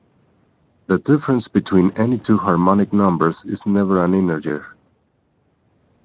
The difference between any two harmonic numbers is never an integer.